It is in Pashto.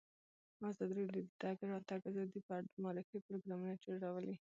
ازادي راډیو د د تګ راتګ ازادي په اړه د معارفې پروګرامونه چلولي.